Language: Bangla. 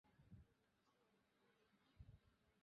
তাজমহলকে ভালো-লাগাবার জন্যেই তাজমহলের নেশা ছুটিয়ে দেওয়া দরকার।